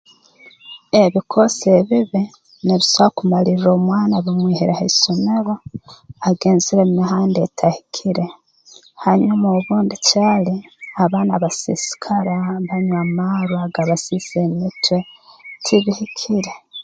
Ebikoosi ebibi nibiso kumalirra omwana bimwihire ha isomero agenzire mu mihanda etahikire hanyuma obundi caali abaana basiisikara banywa amarwa gabasiisa emitwe tibihikire